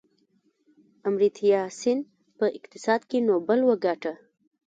امرتیا سین په اقتصاد کې نوبل وګاټه.